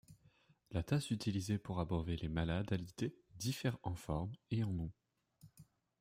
La tasse utilisée pour abreuver les malades alités diffère en forme et en nom.